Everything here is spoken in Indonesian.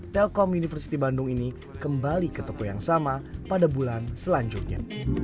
telkom universiti bandung ini kembali ke toko yang sama pada bulan selanjutnya